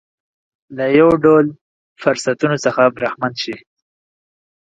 له یو ډول فرصتونو څخه برخمن شي.